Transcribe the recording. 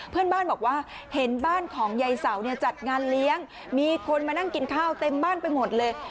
เพื่อนบ้านบอกว่าเห็นบ้านของยายเสาเนี่ยจัดงานเลี้ยงมีคนมานั่งกินข้าวเต็มบ้านไปหมดเลย